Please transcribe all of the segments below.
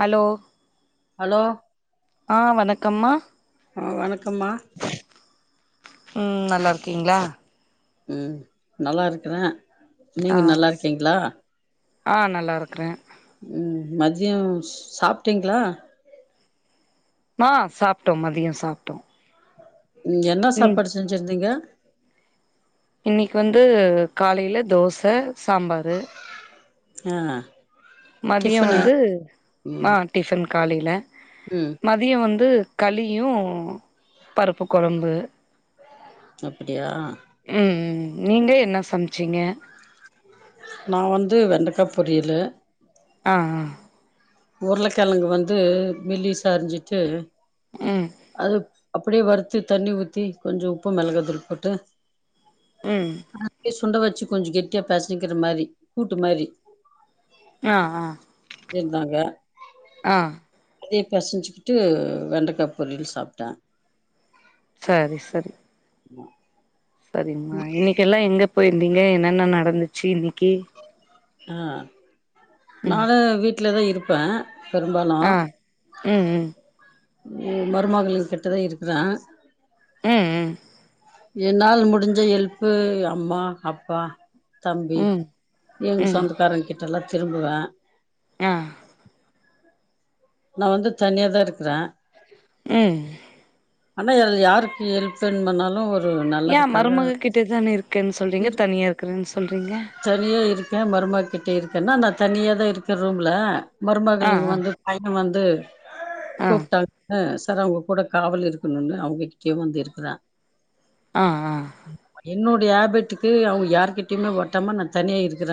hello hello ஆ வணக்கம்மா வணக்கம்மா ம் நல்லாருக்கீங்ளா ம் நல்லாருக்றே ஆ நீங்க நல்லாருக்கீங்ளா ஆ நல்லா இருக்கறே ம் மதியோ சாப்ட்டீங்ளா ஆ சாப்ட்டோ மதியோ சாப்ட்டோ ம் என்னா ம் சாப்பாடு செஞ்சிருந்தீங்க இன்னைக் வந்து காலைல தோச சாம்பாரு ஆ மதியோ டிஃபனு வந்து ஆ ம் டிஃபன் காலைல ம் ம தியோ வந்து களியு பருப்பு கொழம்பு அப்பிடியா ம் ம் நீங்க என்னா சம்ச்சீங்க நா வந்து வெண்டக்கா பொரியலு ஆ ஆ உருளக்கிழங்கு வந்து மெல்லிசா அரிஞ்சிட்டு ம் அது அப்டியே வறுத்து தண்ணி ஊத்தி கொஞ்சு உப்பு மௌகாதூள் போட்டு ம் அத அப்டியே சுண்ட வச்சு கொஞ்ச கெட்டியா பெசஞ்சிகிற மாரி கூட்டு மாரி ஆ ஆ இந்தாங்க ஆ அதயே பெசஞ்சுக்கிட்டு வெண்டக்கா பொரியல் சாப்ட்டே சரி சரி சரிங்மா இன்னிக்கி எல்லா எங்கே போயிருந்தீங்க என்னென்ன நடந்துச்சு இன்னிக்கி ஆ ம் நானு வீட்லதா இருப்பே பெரும்பாலு ஆ ம் ம் ம் மருமகளுங்க கிட்டதா இருக்குற ம் ம் என்னால் முடிஞ்ச ஹெல்பு அம்மா அப்பா தம்பி ம் ம் எங்க ம் சொந்தக்காரங்க கிட்டல்லா திரும்புவ ஆ நா வந்து தனியா தா இருக்ற ம் அனா அது யாருக்கு ஹெல்ப் வேண்மனாலு ஒரு ஏ நல்லதுக்காக மருமககிட்டதான இருக்கன் சொல்றீங்க இரு தனியா இருக்குறன் சொல்றீங்க தனியா இருக்கே மருமக கிட்ட இருக்கேன்னா நா தனியா தா இருக்கே ரூம்ல ஆ மருமகளுங்க ஆ வந்து பையனு வந்து ஆ கூப்ட்டாங்க செரி அவங்க கூட காவல் இருக் குன்னு அவங்ககிட்டயே வந்து இருக்குற ஆ ஆ ஆமா என்னோடைய ஹேபிட்டுக்கு அவங்க யார்கிட்டயுமே ஒட்டமா நா தனியா இருக்குற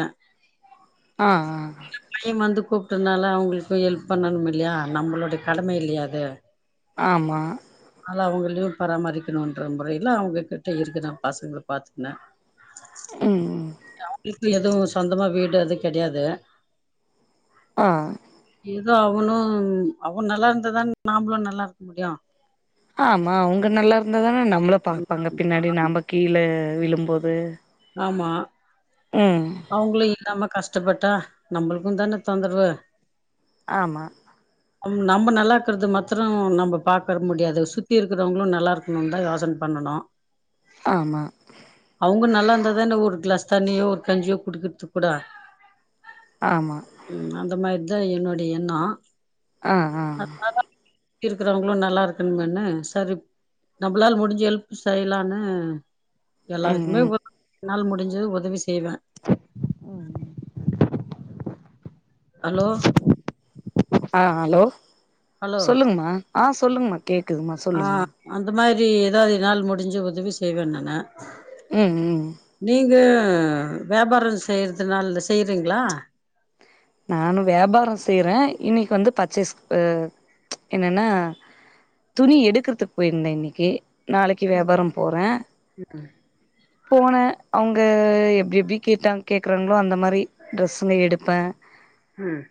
ஆ ஆ பைய வந்து கூப்ட்டதுனால அவுங்ளுக்கு ஹெல்ப் பண்ணணும் இல்லையா நம்மளோட கடமை இல்லையா அது ஆமா நல்லா அவங்களயு பராமரிக்கணுன்ற முறைல அவங்ககிட்ட இருக்குற பசங்கள பாத்துக்ன ம் ம் அவுங்ளுக்கு எது சொந்தமா வீடு எது கெடையாது ஆ ஏதோ அவனு அவ நல்லா இருந்தா தானே நாம்ளு நல்லா இருக்க முடியு ஆமா அவங்க நல்லா இருந்த தானே நம்ள பாப்பாங்க பின்னாடி நம்ப கீழ விழும்போது ஆமா ம் அவுங்ளு இல்லாம கஷ்டப்பட்டா நம்மளுக்கு தான தொந்தரவு ஆமா ம் நம்ம நல்லா இருக்கிறது மாத்ரூ நம்ம பாக்ற முடியாது சுத்தி இருக்கிறவுங்ளு நல்லா இருக்குன் தா யோசன பண்ணணு ஆமா அவங்க நல்லா இருந்தாதான ஒரு கிளாஸ் தண்ணியோ ஒரு கஞ்சியோ குடிக்கிறது கூடா ஆமா ம் அந்த மாரிதா என்னோடைய எண்ணோ அ அ அதனா [inaudible] சுத்தி இருக்கறவங்களு நல்லா இருக்குன்னு எண்ண சரி நம்பளால முடிஞ்ச ஹெல்ப் செய்யலான்னு ம் எல்லாருக்குமே ம் [inaudible] என்னால முடிஞ்சது உதவி செய்வ ம் ஹலோ அ ஹலோ ஹலோ சொல்லுங்கனா ஆ சொல்லுங்ம கேக்குது மா ஆ சொல்லுங்மா அந்த மாரி எதாது என்னால் முடிஞ்ச உதவி செய்வ நானு ம் ம் நீங்க வியாபார செய்றதுனால செய்றீங்ளா நானு வியாபாரோ செய்ற இன்னிக்கு வந்து பர்ச்சேஸ் என்னன்னா துணி எடுக்கற்துக்கு போயிருந்தே இன்னிக்கு நாளைக்கு வியாபாரோ போற போன அவங்க எப்டி எப்டி கேட்டாங் கேக்றாங்ளோ அந்த மாரி ட்ரெஸ்ஸுங்க எடுப்ப ம்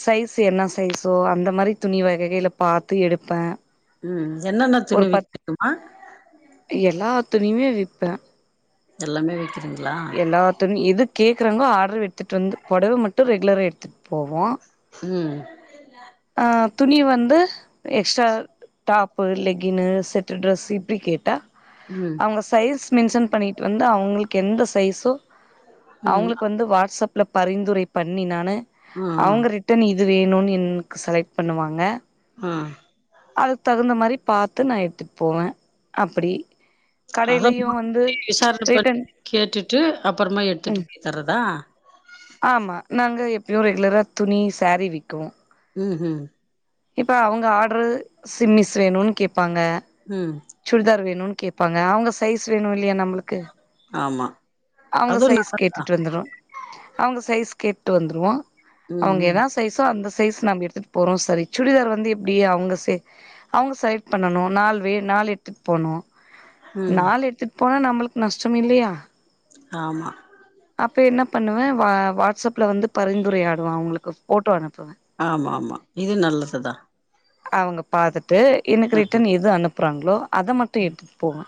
சைஸ்ஸு என்ன சைஸோ அந்த மாரி துணி வகைகள பாத்து எடுப்ப ம் என்னென்ன துணி விக்குவமா எல்லா துணியுமே விப்ப எல்லாமே விக்கிறீங்களா எல்லா துணி எது கேக்குறாங்ளோ ஆர்டர் எடுத்துட் வந்து பொடவ மட்டு ரெகுலரா எடுத்துட் போவோ ம் ஆ துணி வந்து எக்ஸ்ட்டா டாப் பு லெகினு செட்டு டிரஸ்ஸு இப்டி கேட்டா ம் ஒங்க சைஸ் மென்ஷன் பண்ணிட்டு வந்து அவங்களுக்கு எந்த சைஸோ ம் அவங்களுக்கு வந்து வாட்ஸப் ல பரிந்துரை பண்ணி நானு ம் அவங்க ரிட்டன் இது வேணுன் இன்க் செலெக்ட் பண்ணுவாங்க ஹா அதுக் தகுந்த மாரி பாத்து நா எடுத்துட் போவே அப்பிடி அத கடையிலயு வந்து விசாரணை பண்ணி ரிட்டன் கேட்டுட்டு அப்புறமா எடுத்துட்டு ம் போய் தரதா ஆமா நாங்க எப்யு ரெகுலரா துணி சேரி விக்குவோ ம் ம் இப்ப அவுங்க ஆட்ரு சிம்மிஸ் வேணுன் கேப்பாங்க ம் சுடிதார் வேணுன் கேப்பாங்க அவங்க சைஸ் வேணு இல்லையா நம்முளுக்கு ஆமா அவுங்க அதுவு சைஸ் நல்லதுதா கேட்டுட்டு வந்துருவ அவங்க சைஸ் கேட்டு வந்துருவோ அவங்க ம் எதா சைஸோ அந்த சைஸ் நம்ம எடுத்துட்டு போறோ சரி சுடிதார் வந்து எப்டி அவுங்க சே அவுங்க செலக்ட் பண்ணனு நால் வே நால் எத்துட் போனோ ம் ம் நால் எத்துட் போனா நம்புளுக் நஷ்டம் இல்லையா ஆமா அப்போ என்ன பண்ணுவ வா வாட்ஸ் அப்ல வந்து பரிந்துரையாடுவ அவங்களுக்கு ஃபோட்டோ அனுப்புவ ஆமாமா இது நல்லது தா அவங்க பாத்துட்டு எனக்கு ம் ரிட்டர்ன் எது அனுப்புறாங்ளோ அத மட்டு எடுத்துட் போவ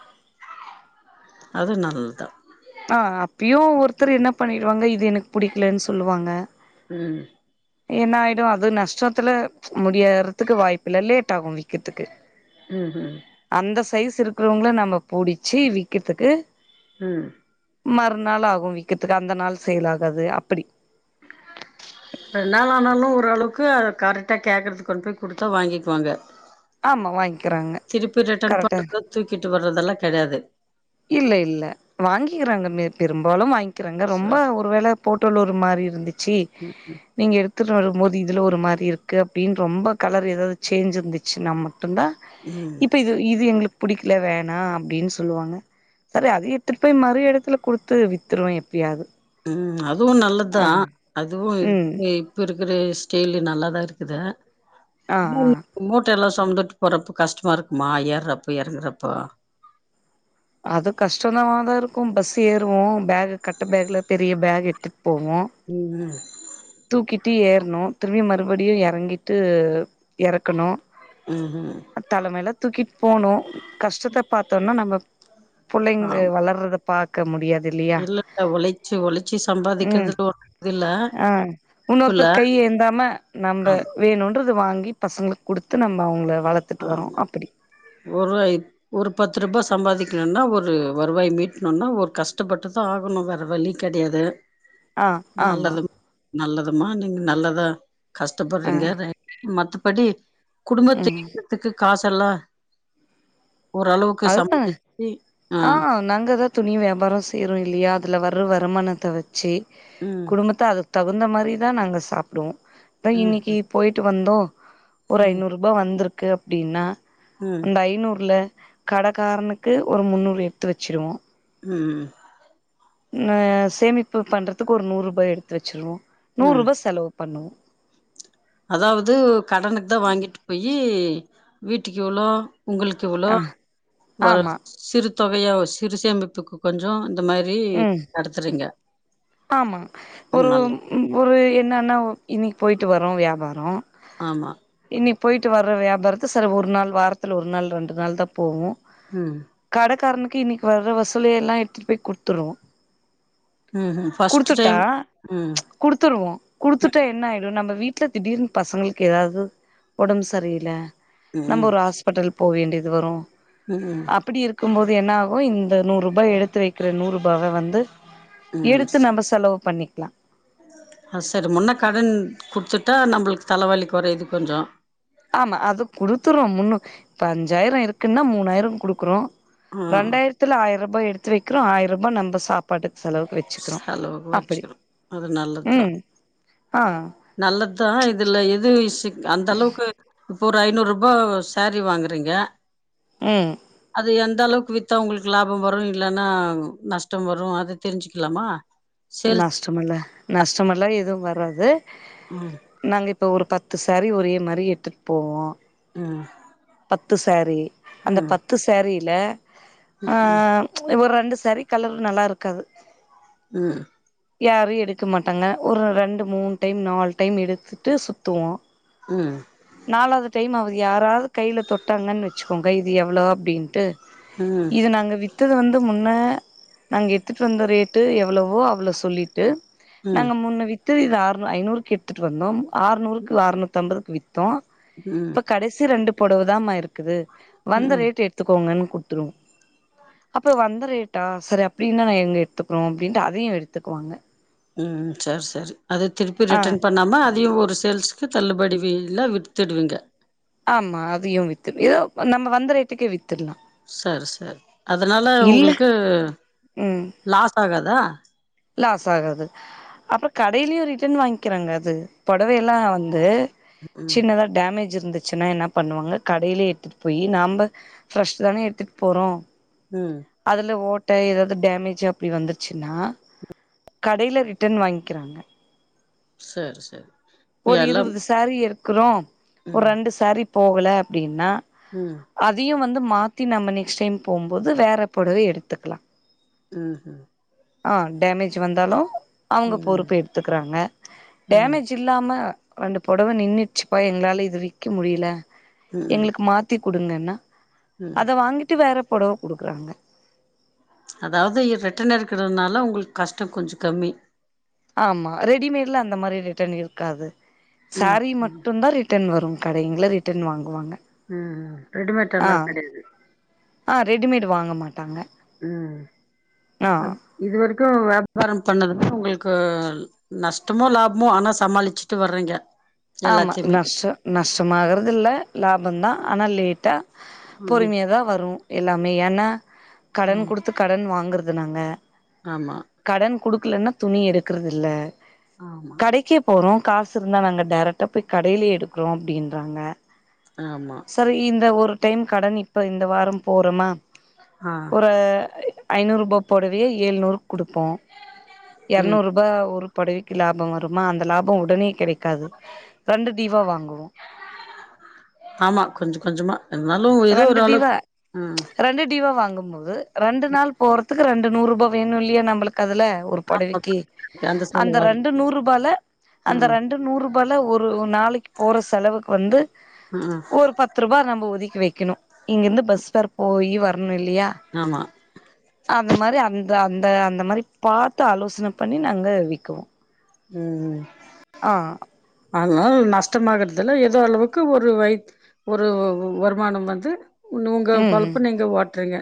அது நல்லதுதா ஆ அப்பயு ஒருத்தரு என்ன பண்ணிடுவாங்க இது எனக்கு புடிக்கலனு சொல்லுவாங்க ம் என்னாயிடு அது நஷ்டத்துல முடியறதுக்கு வாய்ப்பில்ல லேட் ஆகு வி கதுக்கு ம் ம் அந்த சைஸ் இருக்றவங்கள நம்ம புடிச்சி விக்கிறதுக்கு ம் மறுநாள் ஆகு வீக்கறதுக்கு அந்த நாள் சேல் ஆகாது அப்படி ரெண் நாள் ஆனாலு ஓரளவுக்கு அத கரெட்டா கேக்கறதுக் கொண்டு போய் குடுத்தா வாங்கிக்குவாங்க ஆமா வாங்கிக்கிறாங்க திருப்பி ரிட்டன் கரெக்டா பண்றதோ தூக்கிட்டு வர்றதெல்லா கெடையாது இல்ல இல்ல வாங்கிக்கிறாங்கமே பெரும்பாலு வாங் கிறாங்க ரொம்ப சார் ஒரு வேல போட்டோல ஒரு மாரி இருந்துச்சி நீங்க எடுத்துட்டு வரும் போது இதுல ஒரு மாரி இருக்கு அப்டின் ரொம்ப கலர் ஏதாவது சேஞ்ச் இருந்துச்சினா மட்டுந்தா ம் இப்ப இது இது எங்களுக் புடிக்கல வேணா அப்டின் சொல்லுவாங்க சரி அதயு எடுத்துட்டு போய் மறு எடத்துல குடுத்து வித்துருவே எப்டியாது உம் அதுவு நல்லதுதா அதுவு ம் ஏ இப்ப இருக்குற ஸ்டைலு நல்லாதா இருக்குது ஆ ஆ மூட்ட எல்லா சொமந்துட்டு போறப்ப கஷ்டமா இருக்குமா ஏறுறப்ப எறங்குறப்ப அது கஷ்டந்தவாதா இருக்கு பஸ்ஸு ஏறுவோ பேகு கட்ட பேக்ல பெரிய பேகு எடுத்துட் போவோ உன்ன தூக்கிட்டு ஏறணு திரும்பி மறுபடியு எறங்கிட்டு எறக்கணு உம் உம் தலமேல தூக்கிட் போகனு கஷ்டத்த பாத்தோன்னா நம்ம புள்ளைங்ள ஆமா வளர்ரத பாக்க முடியாதில்லையா இல்ல ஒழைச்சு ஒழைச்சு உம் சம்பாதிக்கிறதுல ஒன்னு இது இல்ல ஆ தப்புல்ல இன்னொருத்தர் கை ஏந்தாம நம்ப ஆமா வேணுன்றது வாங்கி பசங்களுக் குடுத்து நம்ம அவுங்கள வளத் ஆமா ஒரு ஐ ஒரு பத்து ரூபா சம்பாதிக்கணுன்னா ஒரு வருவாய் மீட்ணுன்னா ஒர் கஷ்டப்பட்டுதா ஆகணு வேற வழி கெடையாது ஆ ஆமா நல்லலு நல்லதுமா நீங்க நல்லதா ஆ கஷ்டப்படுறீங்க [unintelligible] மத்தபடி குடும்பத்த ம் காச [unintelligible] ல்லா ஓரளவுக்கு சம்பா ஆ நாங்கதா துணி வியாபாரோ செய்றோ இல்லையா அதுல வர்ற வருமானத்த வச்சி ம் குடும்பத்த அது தகுந்த மாரி தா நாங்க சாப்டுவோ தா ம் இன்னைக்கு போய்ட்டு வந்தோ ஒரு ம் ஐநூறு ரொம்ப வந்திருக்கு அப்டினா ம் ஐநூறுலே கடக்காரனுக்கு ஒரு முன்னூறு எடுத்து வச்சிருவோ உம் நா சேமிப்பு பண்றதுக்கு ஒரு நூரூபா எடுத்து வச்சிருவோ ம் நூரூபா செலவு பண்ணுவோ அதாவது கடனுக்தா வாங்கிட்டு போயி வீட்டுக்கு எவ்ளோ உங்களுக்கெவ்வளோ ஆ வர ஆமா சிறு தொகையா சிறு சேமிப்புக்கு கொஞ்சோ இந்த மாரி ம் நடத்துறீங்க ஆமா ஒரு நல்லது ஒரு என்னானாவ் இன்னைக்கி போயிட்டு வரோ வியாபாரோ ஆமா இன்னைக் போயிட்டு வர்ற வியாபாரத்த சரி ஒரு நாள் வாரத்துல ஒரு நாள் ரெண்டு நாள்தா போவோ ம் கடக்காரனுக்கு இன்னைக்கி வர்ற வசூல எல்லா எடுத்துட்டு போய் குடுத்துருவோ ம் ம் ஃபர்ஸ்ட் குடுத்துட்டா டைம் குடுத்துருவோ குடுத்துட்டா என்ன ஆயிரு நம்ம வீட்ல திடீர்னு பசங்களுக்கு ஏதாவது ஒடம்பு சரியில ம் நம்ம ம் ஒரு ஹாஸ்பிட்டல் போ வேண்டியது வரு ம் அப்பிடி இருக் இருக்கும்போது என்ன ஆகு இந்த நூர் ரூபாய் எடுத்து வைக்ற நூர் ரூபாவ வந்து எடுத்து [unintelligible] நம்ம செலவு பண்ணிக்லா ஆ சரி முன்னே கடன் குடுத்துட்டா நம்ளுக்கு தலவலி குறையுது கொஞ்சோ ஆமா அது குடுத்துருவோ முன்னு இப்போ அஞ்சாயிர இருக்குன்னா மூணாயிரோ குடுக்றோ ம் ரெண்டாய்ரத்துல ஆயிர் ரூபாய் எடுத்து வெக்றோ ஆயிர் ரூய நம்ப சாப்பாட்டுக் செலவுக் வெ செலவுக் வெச்சுக்கிரோ அது நல்லத்தா ம் ஆ நல்லத்தா இதுல எது விசிக் அந்த அளவுக்கு ஒரு ஐநூறு ரூபாய் சாரி வாங்குறீங்க ம் அது எந்த அளவுக் வித் வித்தவுளுக்கு லாபோ வரு இல்லைனா நஷ்டம் வரு அத தெரிஞ்சுக்லாமா நஷ்டமல்ல நஷ்டமல்லா எதுவு வராது ஆ நாங்க இப்போ ஒரு பத்து சேரி ஒரே மாரி எத்துட் போவோ ம் பத்து சேரி அந்த ம் பத்து சேரில்ல ஒரு ரெண்டு சேரி கலர் நல்லா இருக்காது ம் யாரு எடுக்க மாட்டாங்க ஒரு ரெண்டு மூண் டைம் நாலு டைம் எடுத்துட்டு சுத்துவோ ம் நாலாவது டைம் அவுக யாராவ்து கைய்ல தொட்டாங்கன் வச்சுக்கோங்க இது எவ்ளோ அப்டின்ட்டு ம் இது நாங்க வித் து வந்து முன்னே நாங்க எடுத்துட் வந்த ரேட்டு எவ்ளோவோ அவ்ளோ சொல்லிட்டு ம் நாங்க முன்னு வித்து இது ஆர் ஐநூறுக்கு எடுத்துட் வந்தோ ஆர்நூறுக்கு ஆர்நூத் ஐம்பதுக்கு வித்தோ ம் இப்ப கடைசி ரெண்டு புடவ தான்மா இருக்குது வந்து ம் ரேட் எடுத்துக்கோங்கனு குடுத்துருவோ அப்போ வந்த ரேட்டா செரி அப்டின்னா நாங்க எடுத்துக்குறோ அப்டின்ட்டு அதயு எடுத்துக்குவாங்க ம் செரி செரி அது திருப்பி ஆ ரிட்டர்ன் பண்ணாம அதயு ஒரு சேல்ஸ் க்கு தள்ளுபடி வில்லா வித்துடுவிங்க ஆமா அதயு வித்து ஏயோ நம்ம வந்த ரேட்டுக்கே வித்துலா சர் சர் அதுனால உங்ளுக்கு ம் லாஸ் ஆகாதா லாஸ் ஆகாது அப்றோ கடையிலயு ரிட்டன் வாங்கிக்கிறாங்க அது புடவை எல்லா வந்து ம் சின்னதா டேமேஜ் இருந்துச்சின்னா என்ன பண்ணுவாங்க கடையிலே எடுத்துட்டு போய் நம்ம ஃப்ரெஷ் தான எடுத்துட்டு போறோ ம் அதுல ஓட்ட ஏதாவ்து டேமேஜ் அப்டி வந்துச்சுனா கடைல ரிட்டன் வாங்க்கிறாங்க சரி சரி இப்ப ஒரு எல்லாம் இருபது சாரி இருக்கறோ ஒரு ம் ரெண்டு சேரி போகல அப்டினா ம் அதயு வந்து மாத்தி நம்ம நெக்ஸ்ட் டைம் போம்போது வேற புடவை எடுத்துக்லா ம் ஆ டேமேஜ் வந்தாலு அவுங்க ம் பொறுப்பு எடுத்துக்குறாங்க ம் டேமேஜ் இல்லாம அந்த புடவ நின்னுச்சுப்பா எங்ளால இது விக்க முடில ம் எங்ளுக் மாத் த்தி குடுங்கன்னா ம் அத வாங்கிட்டு வேற புடவ குடுக்றாங்க அதாவது ரெட்டன் இருக்கிறதுனால உங்ளுக்கு கஷ்டம் கொஞ்சோ கம்மி ஆமா ரெடிமேட்ல அந்த மாரி ரிட்டர்ன் இருக்காது ம் சாரீ ம் மட்டுதா ரிட் ரிட்டன் வரு கடைங்கள ரிட்டன் வாங்குவாங்க ம் ரெடிமேட் ஆ எல்லா கெடையாது ஆ ரெடிமேடு வாங்க மாட்டாங்க ம் ஆ ஆ அது இது வரைக்கு வியாபாரம் பண்ணதுன்னா உங்ளுக்கள் நஷ்டமோ லாபமோ ஆனா சமாளிச்சிட்டு வர்றங்க ஆமா நஷ்ஷ நஷ்டம் ஆகுறது இல்ல லாபம் தா ஆனா லேட்டா ம் பொறுமைய தா வரு எல்லாமே ஏனா கடன் ம் குடுத்துப் கடன் வாங்குறது நாங்க ஆமா கடன் குடுக்கல்லனா துணி எடுக்குறது இல்ல ஆமா கடைக்கே போறோ காசு இருந்தா நாங்க டைரக்ட்டா போய் கடைலே எடுக்கிறோ அப்டின்றாங்க ஆமா சர் இந்த ஒரு டைம் கடன் இப்ப இந்த வாரோ போறோமா ஆ ஒரு ஐநூறு ரூபா பொடவையே ஏழுநூறுக்கு குடுப்போ ம் எரநூறு ரூபா ஒரு பொடவிக்கு லாபோ வருமா அந்த லாபோ உடனே கெடைக் க்காது ரெண்டு டீவா வாங்குவோ ஆமா கொஞ்ச கொஞ்சமா இருந்தாலு ஏதோ ரெண்டு ஒரு டிவா அளவுக்கு உம் ரெண்டு டிவா வாங்கும்போது ரெண்டு நாள் போறதுக்கு ரெண்டு நூறு ரூபா வேணு இல்லையா நம்ளுக்கு அதுல ஒரு பொடவிக்கு அந்த ரெண்டு நூறு ரூபால அந்த ம் ரெண்டு நூறு ரூபால ஒரு ஒர் நாளைக்கு போற செலவுக்கு வந்து ஆஹ ஒரு பத்து ரூபா நம்ப ஒதுக்கி வக்கணு இங்கிருந்து பஸ் ஃபேர் போயி வரணு இல்லையா ஆமா அந்த மாதிரி அந்த அந்த அந்த மாதிரி பாத்து ஆலோசனை பண்ணி நாங்க விக்குவோ உ ம் ஆ அதுனால நஷ்டமாகறதுல்ல ஏதோ அளவுக்கு ஒரு வைத் ஒரு வ வ வருமான வந்து உ உங்க ம் ம் பொழப்ப நீங்க ஓட்டுரீங்க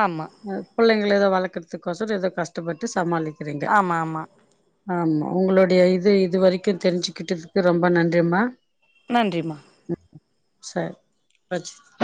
ஆமா அ பிள்ளங்கள ஏதோ வளக்குறதுக்கோசறோம் ஏதோ கஷ்டப்பட்டு சமாளிக்கிறீங்க ஆமா ஆமா ஆமா உங்களுடைய இது இது வரைக்கு தெரிஞ்சுகிட்டதுக்கு ரொம்ப நன்றிம்மா நன்றிம்மா ம் சரி வச்சிட்